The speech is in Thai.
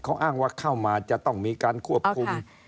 เขาอ้างว่าเข้ามาจะต้องมีการควบคุม